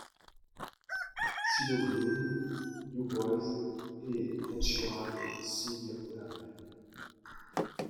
Cee Lo Green, New Boyz et Ed Sheeran signent au label.